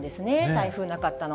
台風なかったの。